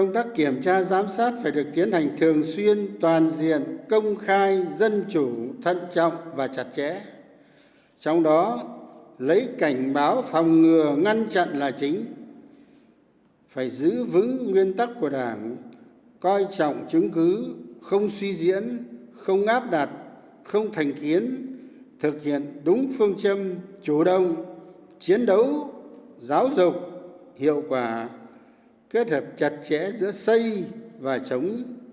tổng chiến đấu giáo dục hiệu quả kết hợp chặt chẽ giữa xây và chống